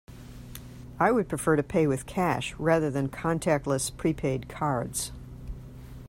I would prefer to pay with cash rather than contactless prepaid cards.